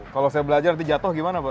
kalau saya belajar nanti jatuh gimana pak